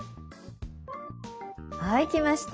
はいきました。